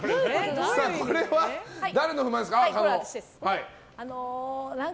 これは誰の不満ですか？